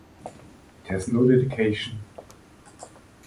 It has no dedication.